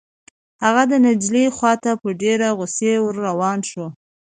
هغه د نجلۍ خوا ته په ډېرې غصې ور روان شو.